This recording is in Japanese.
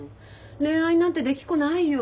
恋愛なんてできっこないよ。